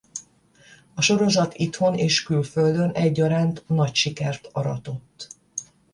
A sorozat itthon és külföldön egyaránt nagy sikert aratott.